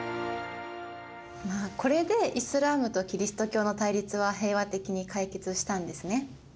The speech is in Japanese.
まあこれでイスラームとキリスト教の対立は平和的に解決したんですね。